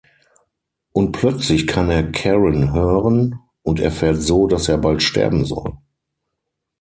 Und plötzlich kann er Karen hören und erfährt so, dass er bald sterben soll.